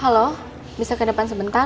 halo bisa ke depan sebentar